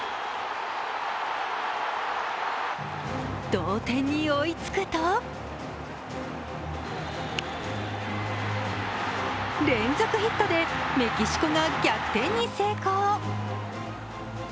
同点に追いつくと連続ヒットでメキシコが逆転に成功。